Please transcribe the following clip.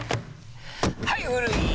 はい古い！